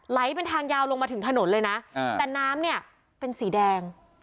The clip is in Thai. เป็นทางยาวลงมาถึงถนนเลยนะแต่น้ำเนี่ยเป็นสีแดง